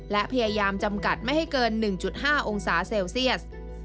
และพยายามจำกัดไม่ให้เกิน๑๕องศาเซลเซียส